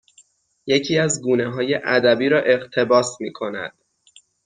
یکی از گونه های ادبی را اقتباس می کند